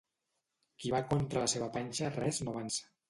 Qui va contra la seva panxa res no avança.